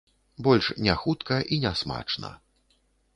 Больш не хутка і не смачна.